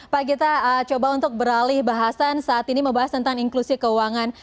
pak gita coba untuk beralih bahasan saat ini membahas tentang inklusi keuangan